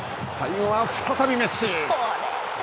最後は再びメッシ！